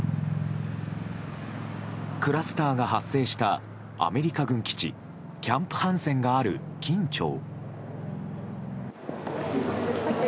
クラスターが発生したアメリカ軍基地キャンプ・ハンセンがある金武町。